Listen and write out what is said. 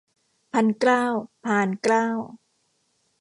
พันเกล้า พานเกล้า